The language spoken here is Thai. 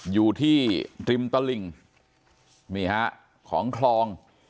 อยู่ที่ริมตลิ่งนี่ฮะของคลอง